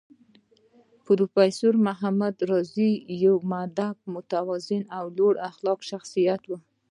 پروفېسر راز محمد راز يو مودب، متوازن او لوړ اخلاقي شخصيت و